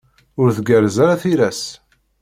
Ur tgerrez ara tira-s.